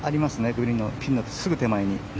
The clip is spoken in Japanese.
グリーンのピンのすぐ手前に。